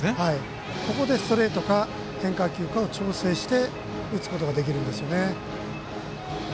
ここでストレートか変化球かを調整して打つことができるんですよね。